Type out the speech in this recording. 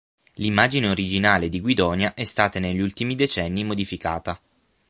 L'immagine originale di Guidonia è stata negli ultimi decenni modificata.